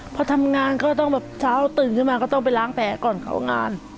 พอทำงานก็ต้องแบบเช้าตื่นขึ้นมาก็ต้องไปล้างแผลก่อนเข้างาน